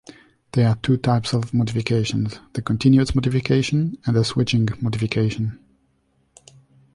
There are two types of modifications: the continuous modification and the switching modification.